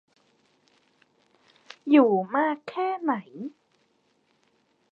อยู่มากแค่ไหน